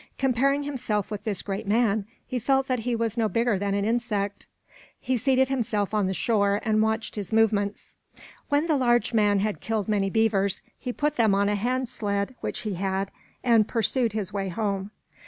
Comparing himself with this great man, he felt that he was no bigger than an insect. He seated himself on the shore and watched his movements. When the large man had killed many beavers, he put them on a hand sled which he had, and pursued his way home.